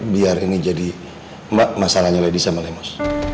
biar ini jadi mbak masalahnya lady sama lemos